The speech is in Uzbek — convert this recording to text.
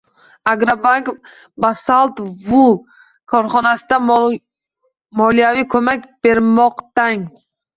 Agrobank “Basalt wool” korxonasiga moliyaviy ko‘mak bermoqdang